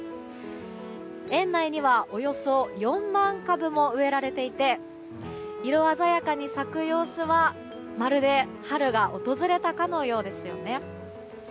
園内にはおよそ４万株も植えられていて色鮮やかに咲く様子はまるで春が訪れたかのようです。